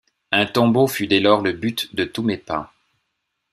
Un tombeau fut dès lors le but de tous mes pas.